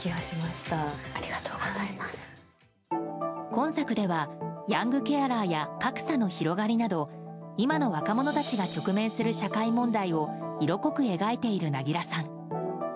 今作ではヤングケアラーや格差の広がりなど今の若者たちが直面する社会問題を色濃く描いている凪良さん。